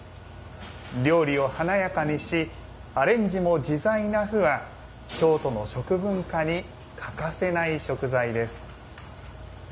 料理を華やかにしアレンジも自在な麩は京都の食文化に欠かせない食材です。